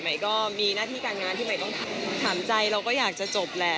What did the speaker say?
อาจมีหน้าที่การงานที่ใหม่ต้องทำ